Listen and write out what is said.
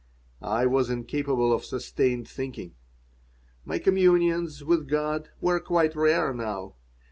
I was incapable of sustained thinking My communions with God were quite rare now.